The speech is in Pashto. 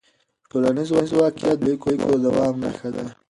ټولنیز واقیعت د اړیکو د دوام نښه ده.